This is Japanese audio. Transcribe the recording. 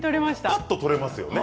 ぱっと取れますよね。